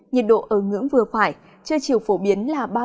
nhiệt độ ở ngưỡng vừa phải chưa chiều phổ biến là ba mươi ba mươi ba độ